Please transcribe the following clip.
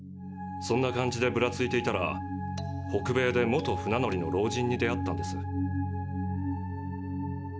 そんな感じでぶらついていたら北米で元船乗りの老人に出会ったんです。